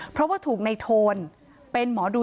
เพราะว่าถูกในโทนเป็นหมอดู